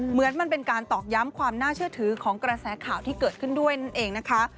เหมือนมันเป็นการตอกย้ำความน่าเชื่อถือของกระแสข่าวที่เกิดขึ้นด้วยนั่นเองนะคะ